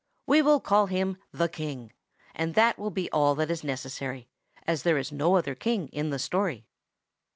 We will call him the King, and that will be all that is necessary, as there is no other king in the story.